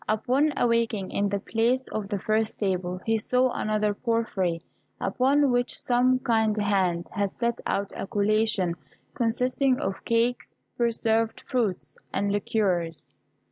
Upon awaking, in the place of the first table he saw another of porphyry, upon which some kind hand had set out a collation consisting of cakes, preserved fruits, and liqueurs.